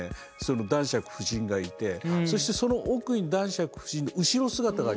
男爵夫人がいてそしてその奥に男爵夫人の後ろ姿がありますよね。